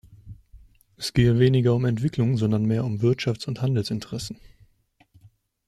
Es gehe weniger um Entwicklung, sondern mehr um Wirtschafts- und Handelsinteressen.